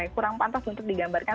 kurang pantas untuk digambarkan